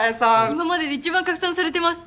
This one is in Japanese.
今まで一番拡散されてます。